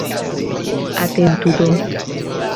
Atentu do.